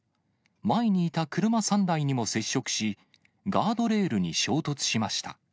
前にいた車３台にも接触し、ガードレールに衝突しました。